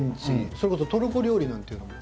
それこそトルコ料理なんていうのも。